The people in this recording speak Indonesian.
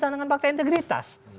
tanda tangan fakta integritas